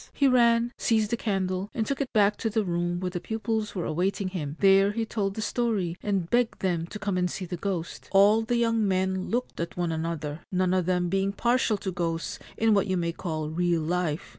He ran, seized a candle, and took it back to the room where the pupils were awaiting him ; there he told the story, and begged them to come and see the ghost. All the young men looked at one another, none of them being partial to ghosts in what you may call real life.